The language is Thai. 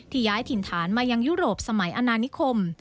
ย้ายถิ่นฐานมายังยุโรปสมัยอนานิคม